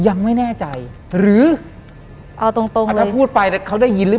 หลังจากนั้นเราไม่ได้คุยกันนะคะเดินเข้าบ้านอืม